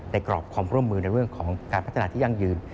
กรอบความร่วมมือในเรื่องของการพัฒนาที่ยั่งยืน